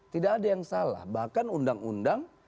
tidak ada yang salah bahkan undang undang